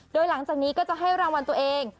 โดยหลังจากนี้ก็จะให้รางวัลตัวเอง